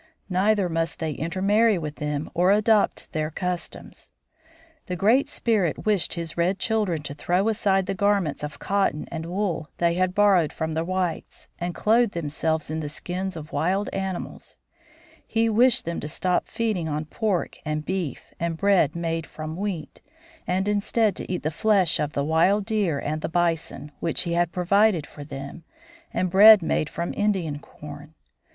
Neither must they intermarry with them or adopt their customs. The Great Spirit wished his red children to throw aside the garments of cotton and wool they had borrowed from the whites and clothe themselves in the skins of wild animals; he wished them to stop feeding on pork and beef, and bread made from wheat, and instead to eat the flesh of the wild deer and the bison, which he had provided for them, and bread made from Indian corn.